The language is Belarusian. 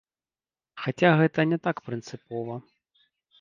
Хаця гэта не так прынцыпова.